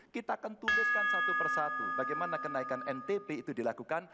kita akan tuliskan satu persatu bagaimana kenaikan ntp itu dilakukan